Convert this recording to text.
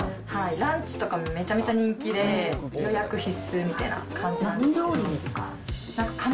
ランチとかもめちゃめちゃ人気で、予約必須みたいな感じなんですけど。